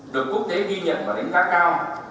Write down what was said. được quốc tế ghi nhận và đánh giá cao